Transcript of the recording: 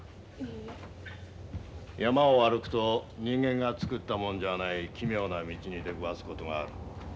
山を歩くと人間が作ったものじゃない奇妙な道に出くわす事がある。